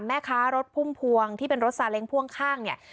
แม่ค้ารถพุ่มพวงที่เป็นรถซาเล้งพ่วงข้างเนี่ย